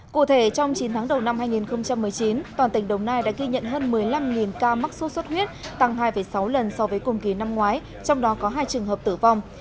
cụ thể trong chín tháng đầu năm hai nghìn một mươi chín toàn tỉnh đồng nai đã ghi nhận hơn một mươi năm ca mắc sốt xuất huyết tăng hai sáu lần so với cùng kỳ năm ngoái trong đó có hai trường hợp tử vong